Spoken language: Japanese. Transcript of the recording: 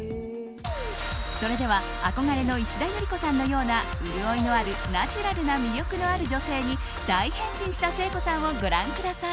それでは憧れの石田ゆり子さんのような潤いのあるナチュラルな魅力ある女性に大変身した誠子さんをご覧ください。